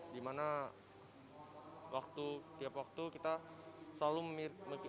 dimana waktu tiap waktu kita kita akan berjalan